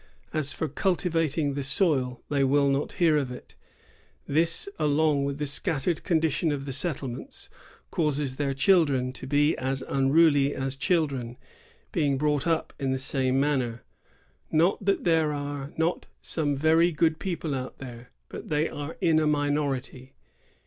As for cultivat ing the soil, they will not hear of it. This, along with the scattered condition of the settlements, causes their children to be as unruly as Indians, being brought up in the same manner. Not that there are not some very good people here, but they are in a minority.